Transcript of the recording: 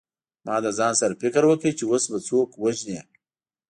ما له ځان سره فکر وکړ چې اوس به څوک وژنې